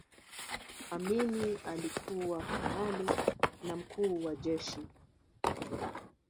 amini alikuwa kanali na mkuu wa jeshi